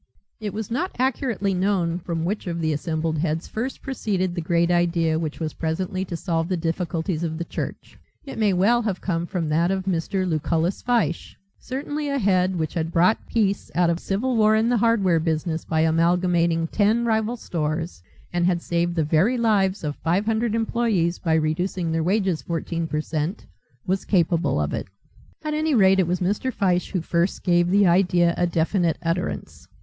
It was not accurately known from which of the assembled heads first proceeded the great idea which was presently to solve the difficulties of the church. It may well have come from that of Mr. Lucullus Fyshe. Certainly a head which had brought peace out of civil war in the hardware business by amalgamating ten rival stores and had saved the very lives of five hundred employees by reducing their wages fourteen per cent, was capable of it. At any rate it was Mr. Fyshe who first gave the idea a definite utterance.